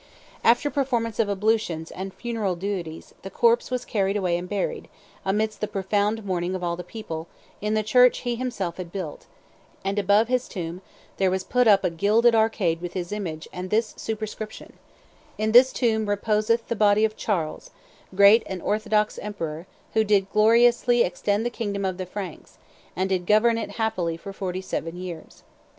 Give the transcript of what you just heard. "After performance of ablutions and funeral duties, the corpse was carried away and buried, amidst the profound mourning of all the people, in the church he himself had built; and above his tomb there was put up a gilded arcade with his image and this superscription: 'In this tomb reposeth the body of Charles, great and orthodox emperor, who did gloriously extend the kingdom of the Franks, and did govern it happily for forty seven years.